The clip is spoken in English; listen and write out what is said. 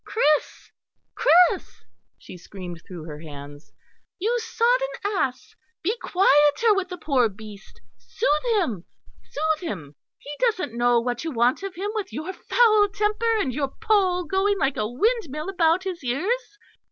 Chris, Chris," she screamed through her hands "you sodden ass; be quieter with the poor beast soothe him, soothe him. He doesn't know what you want of him with your foul temper and your pole going like a windmill about his ears."